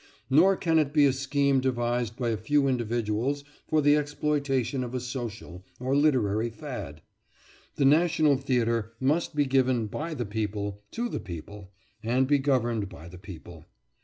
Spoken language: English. Nor can it be a scheme devised by a few individuals for the exploitation of a social or literary fad. The national theatre must be given by the people to the people, and be governed by the people.